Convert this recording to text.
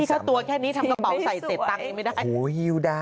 ที่ข้าตัวแค่นี้ทำกระเบาใส่เสร็จตังค์ยังไม่ได้